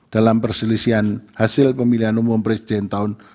dalam perselisihan hasil pemilihan umum presiden tahun dua ribu sembilan belas